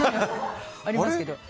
ありますけど。